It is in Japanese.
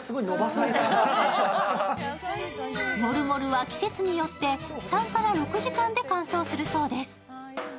ＭＯＲＵＭＯＲＵは季節によって３から６時間で乾燥するそうです。